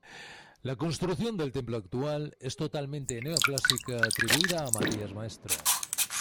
La construcción del templo actual es totalmente neoclásica atribuida a Matías Maestro.